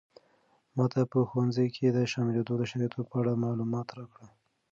ماته په ښوونځي کې د شاملېدو د شرایطو په اړه معلومات راکړه.